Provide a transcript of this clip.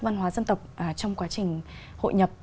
văn hóa dân tộc trong quá trình hội nhập